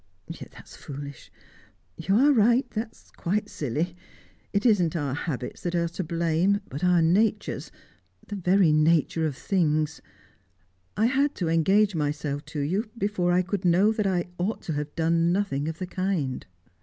Yet that's foolish; you are right, that is quite silly. It isn't our habits that are to blame but our natures the very nature of things. I had to engage myself to you before I could know that I ought to have done nothing of the kind."